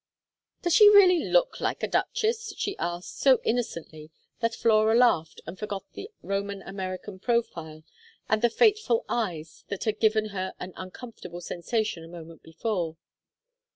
"Does she really look like a duchess?" she asked, so innocently that Flora laughed and forgot the Roman American profile, and the fateful eyes that had given her an uncomfortable sensation a moment before.